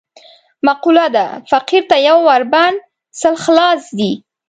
معقوله ده: فقیر ته یو ور بند، سل خلاص دي.